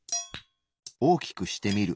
大きくしてみる。